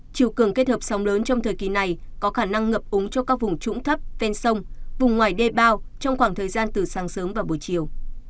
chiều cường kết hợp sóng lớn trong thời kỳ này có khả năng ngập úng cho các vùng trũng thấp ven sông vùng ngoài đê bao trong khoảng thời gian từ sáng sớm và buổi chiều